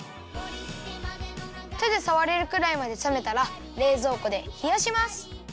てでさわれるくらいまでさめたられいぞうこでひやします。